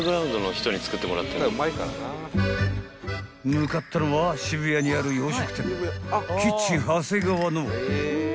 ［向かったのは渋谷にある洋食店］